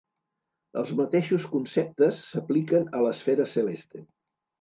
Els mateixos conceptes s'apliquen a l'esfera celeste.